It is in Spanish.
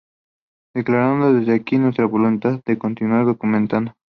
declaramos desde aquí nuestra voluntad de continuar documentando